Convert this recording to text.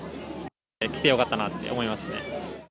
来てよかったなって思います